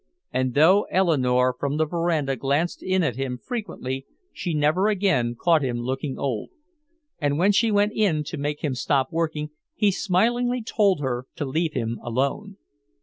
And though Eleanore from the veranda glanced in at him frequently, she never again caught him looking old. And when she went in to make him stop working he smilingly told her to leave him alone.